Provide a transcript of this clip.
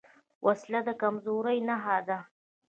وسله د کمزورۍ نښه ده